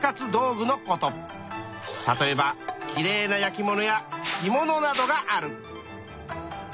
例えばきれいな焼き物や着物などがある。